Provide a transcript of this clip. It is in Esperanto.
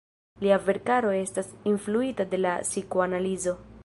Lia verkaro estas influita de la psikoanalizo.